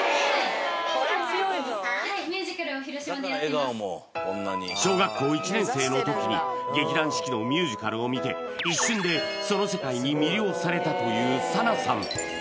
しかも小学校１年生の時に劇団四季のミュージカルを見て一瞬でその世界に魅了されたという紗那さん